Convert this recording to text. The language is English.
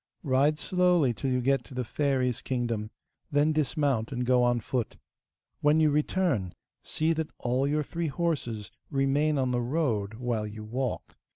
Ride slowly till you get to the fairy's kingdom, then dismount and go on foot. When you return, see that all your three horses remain on the road, while you walk.